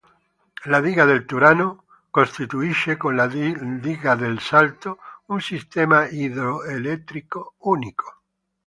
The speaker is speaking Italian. La diga del Turano costituisce con la diga del Salto un sistema idroelettrico unico.